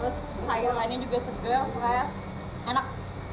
terus sayur lainnya juga segar fresh enak